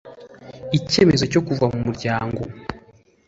Icyemezo cyo kuva mu muryango